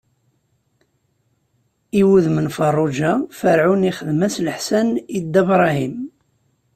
I wudem n Feṛṛuǧa, Ferɛun ixdem-as leḥsan i Dda Bṛahim.